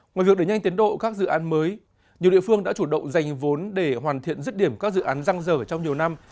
ngoài việc đẩy nhanh tiến độ các dự án mới nhiều địa phương đã chủ động giành vốn để hoàn thiện dứt điểm các dự án răng rở trong nhiều năm